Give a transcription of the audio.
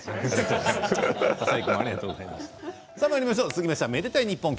続きまして「愛でたいｎｉｐｐｏｎ」